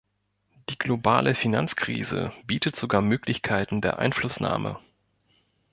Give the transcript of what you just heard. Die globale Finanzkrise bietet sogar Möglichkeiten der Einflussnahme.